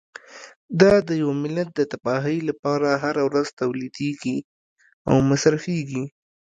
دا د یوه ملت د تباهۍ لپاره هره ورځ تولیدیږي او مصرفیږي.